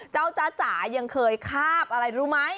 เจ้าจ้าจายังเคยคาบอะไรรู้ไหม